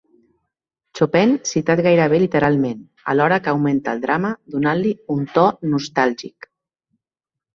Chopin citat gairebé literalment, alhora que augmenta el drama, donant-li un to nostàlgic.